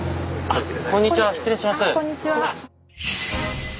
あっこんにちは。